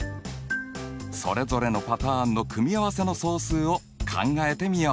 それぞれのパターンの組合せの総数を考えてみよう。